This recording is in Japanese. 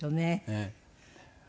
ええ。